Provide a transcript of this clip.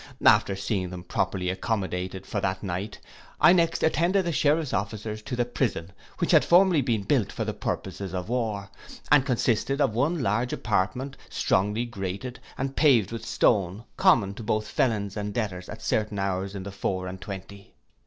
After seeing them properly accommodated for that night, I next attended the sheriff's officers to the prison, which had formerly been built for the purposes of war, and consisted of one large apartment, strongly grated, and paved with stone, common to both felons and debtors at certain hours in the four and twenty.